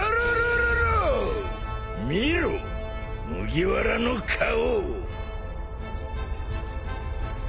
麦わらの顔！